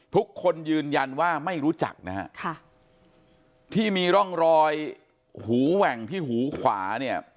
ทุกคนยืนยันว่าไม่รู้จักนะฮะค่ะที่มีร่องรอยหูแหว่งที่หูขวาเนี่ย